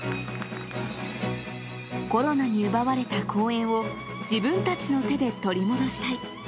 コロナに奪われた公演を、自分たちの手で取り戻したい。